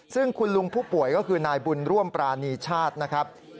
ซึ่งคุณลุงผู้ป่วยก็คือนายบุญร่วมปรานีชาตินะครับ